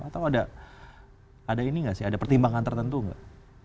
atau ada pertimbangan tertentu enggak